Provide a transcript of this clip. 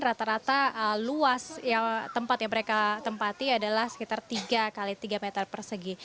rata rata luas tempat yang mereka tempati adalah sekitar tiga x tiga meter persegi